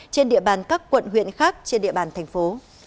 trên địa bàn các quận huyện khác trên địa bàn thành phố